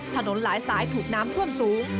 ถนนหลายสายถูกน้ำท่วมสูง